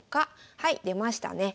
はい出ましたね。